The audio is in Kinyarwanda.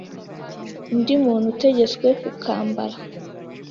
Undi muntu utegetswe kukambara